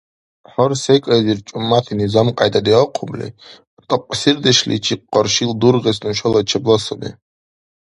Гьар секӀайзир чӀумати низам-кьяйда диахъубли, такьсирчидешличи къаршили дургъес нушала чебла саби.